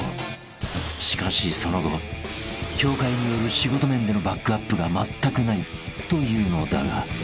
［しかしその後協会による仕事面でのバックアップがまったくないというのだが］